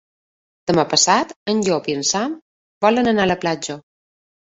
Demà passat en Llop i en Sam volen anar a la platja.